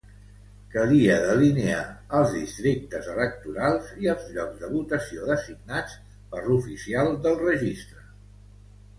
Calia delinear els districtes electorals i els llocs de votació designats per l'oficial del registre.